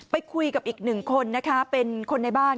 ไปคุยกับอีกหนึ่งคนนะคะเป็นคนในบ้าน